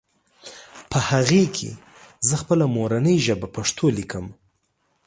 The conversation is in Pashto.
په هغې کې زهٔ خپله مورنۍ ژبه پښتو ليکم